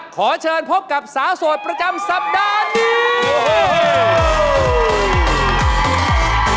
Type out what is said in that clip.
ขอเชิญพบกับสาวโสดประจำสัปดาห์นี้